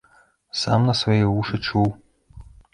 Сам на свае вушы чуў!